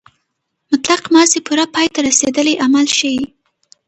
مطلق ماضي پوره پای ته رسېدلی عمل ښيي.